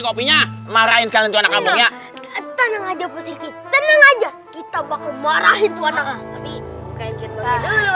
kopinya marahin kalian karena kabarnya tenang aja posisi tenang aja kita bakal marahin tuhan